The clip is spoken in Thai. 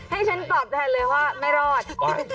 ให้ฉันตอบแทนเลยว่าไม่รอด